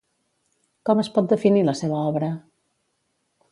Com es pot definir la seva obra?